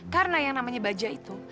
karena yang namanya baja itu